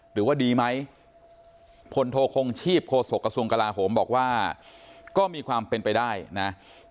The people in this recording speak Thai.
หรือว่าดีไหมพลโทคงชีพโฆษกระทรวงกลาโหมบอกว่าก็มีความเป็นไปได้นะ